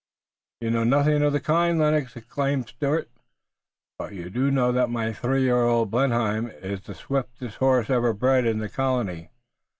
"You know nothing of the kind, Lennox!" exclaimed Stuart, "but you do know that my three year old Blenheim is the swiftest horse ever bred in the colony.